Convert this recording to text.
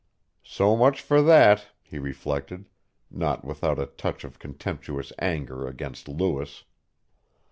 So much for that, he reflected, not without a touch of contemptuous anger against Lewis.